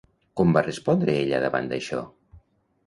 Com va respondre ella, davant d'això?